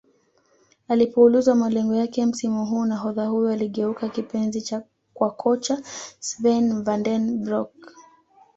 Alipoulizwa malengo yake msimu huu nahodha huyo aliyegeuka kipenzi kwa kocha Sven Vanden broeck